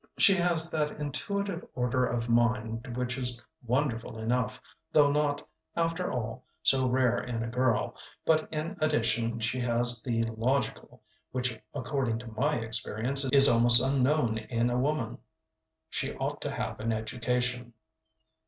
She has that intuitive order of mind which is wonderful enough, though not, after all, so rare in a girl; but in addition she has the logical, which, according to my experience, is almost unknown in a woman. She ought to have an education."